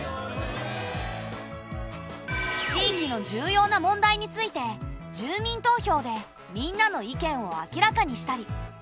地域の重要な問題について住民投票でみんなの意見を明らかにしたり。